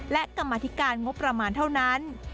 และกรรมธิการงบประมาณเท่านั้น